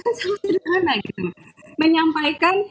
kan sangat sederhana menyampaikan